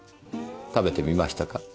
食べてみましたか？